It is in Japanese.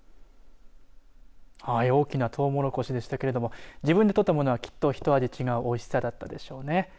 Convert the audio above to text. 大きなトウモロコシでしたけれども自分で取ったものはきっと一味違うおいしさだったでしょうね。